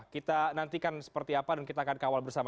kita nantikan seperti apa dan kita akan kawal bersama